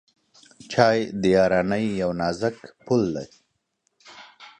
چای د یارانۍ یو نازک پُل دی.